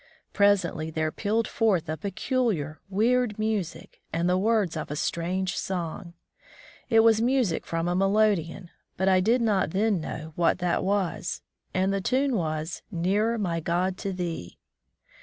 Presently there pealed forth a peculiar, weird music, and the words of a strange song. It was music from a melodeon, but I did not then know what that was ; and the tune was "Nearer, my God, to Thee."